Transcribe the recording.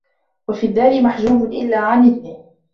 وَفِي الدَّارِ مَحْجُوبٌ إلَّا عَنْ إذْنِهِ